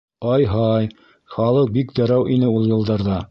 Ай-һай, халыҡ бик дәррәү ине ул йылдарҙа!